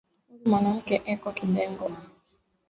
Uyu mwanamuke eko kibengo